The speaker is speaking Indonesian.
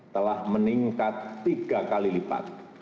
telah meningkat tiga kali lipat